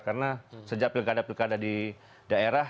karena sejak pilihan pilihan ada di daerah